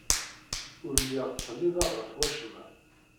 Ur lliɣ ttqellibeɣ ɣef wacemma.